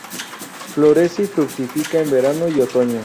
Florece y fructifica en verano y otoño.